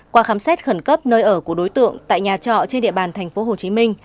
qua khám xét khẩn cấp nơi ở của đối tượng tại nhà trọ trên địa bàn tp hcm